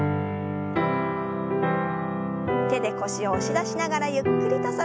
手で腰を押し出しながらゆっくりと反らせます。